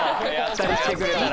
２人来てくれたら。］